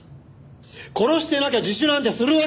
殺してなきゃ自首なんてするわけないだろ！